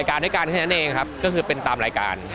ก็คือมันเป็นตามรายการ